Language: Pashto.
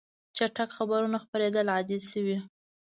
چټک خبرونه خپرېدل عادي شوي.